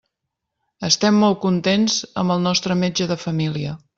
Estem molt contents amb el nostre metge de família.